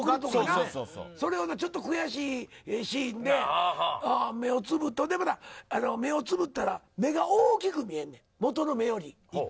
それをちょっと悔しいシーンで目をつぶって目をつぶったら元の目より大きく見えんねん。